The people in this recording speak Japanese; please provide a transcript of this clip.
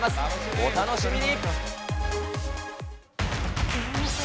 お楽しみに。